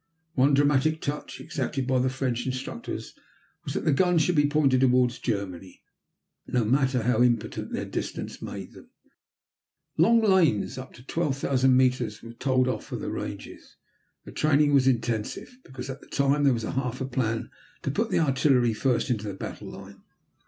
One dramatic touch exacted by the French instructors was that the guns should be pointed toward Germany, no matter how impotent their distance made them. Long lanes, up to 12,000 metres, were told off for the ranges. The training was intensive, because at that time there was a half plan to put the artillery first into the battle line.